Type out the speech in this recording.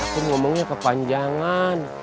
aku ngomongnya kepanjangan